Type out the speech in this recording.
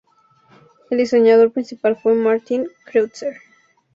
El diseñador principal fue Martin Kreutzer.